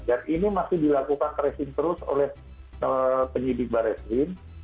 dan ini masih dilakukan kresin terus oleh penyidik barreslin